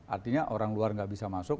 artinya orang luar nggak bisa masuk